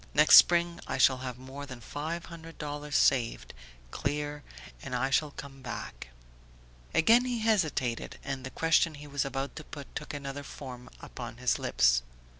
Next spring I shall have more than five hundred dollars saved, clear, and I shall come back... ." Again he hesitated, and the question he was about to put took another form upon his lips.